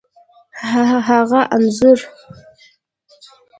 هغه انځور،